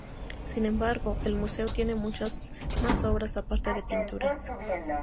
Sin embargo, el museo tiene muchas más obras aparte de pinturas.